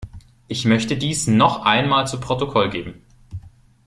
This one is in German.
Ich möchte dies noch einmal zu Protokoll geben.